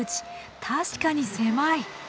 確かに狭い。